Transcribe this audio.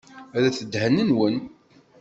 Rret ddhen-nwen.